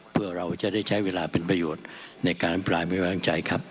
เพื่อเราจะได้ใช้เวลาเป็นประโยชน์ในการอภิปรายไม่วางใจครับ